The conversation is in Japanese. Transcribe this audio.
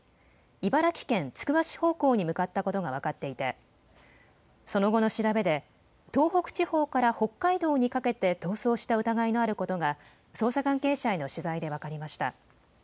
茨城県つくば市方向に向かったことが分かっていてその後の調べで東北地方から北海道にかけて逃走した疑いのあることが捜査関係者への取材で分かりました。